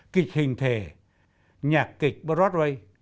kịch hình thể nhạc kịch broadway